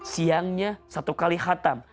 siangnya satu kali khatam